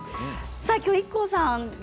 きょうはＩＫＫＯさん